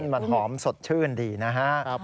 มันหอมสดชื่นดีนะฮะ